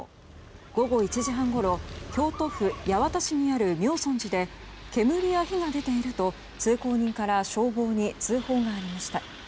午後１時半ごろ京都府八幡市にある明尊寺で煙や火が出ていると通行人から消防に通報がありました。